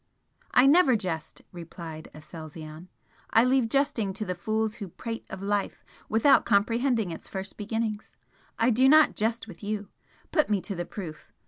"I never jest!" replied Aselzion "I leave jesting to the fools who prate of life without comprehending its first beginnings. I do not jest with you put me to the proof!